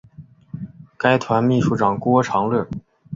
该团秘书长郭长乐。